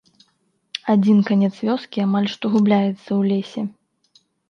Адзін канец вёскі амаль што губляецца ў лесе.